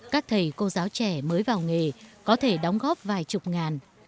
các thầy cô giáo trẻ mới vào nghề có thể đóng góp vài chục ngàn